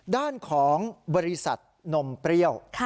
ด้านของบริษัทนมเปรี้ยว